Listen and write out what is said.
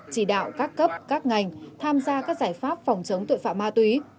chỉ đạo các cấp các ngành tham gia các giải pháp phòng chống tội phạm ma túy